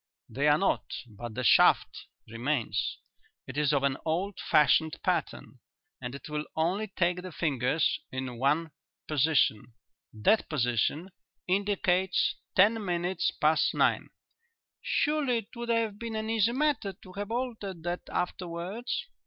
"They are not, but the shaft remains. It is of an old fashioned pattern and it will only take the fingers in one position. That position indicates ten minutes past nine." "Surely it would have been an easy matter to have altered that afterwards?"